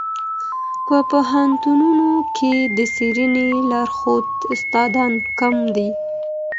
په پوهنتونونو کي د څېړني لارښود استادان کم دي.